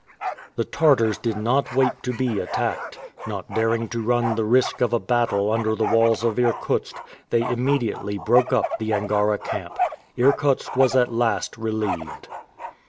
The Tartars did not wait to be attacked. Not daring to run the risk of a battle under the walls of Irkutsk, they immediately broke up the Angara camp. Irkutsk was at last relieved.